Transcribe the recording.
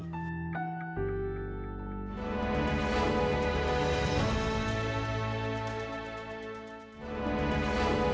ketika overpopulasi itu tidak bisa ditekani